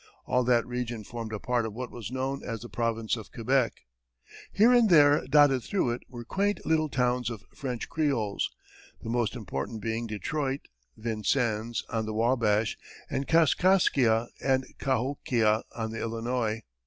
All that region formed a part of what was known as the Province of Quebec. Here and there dotted through it were quaint little towns of French Creoles, the most important being Detroit, Vincennes on the Wabash, and Kaskaskia and Kahokia on the Illinois.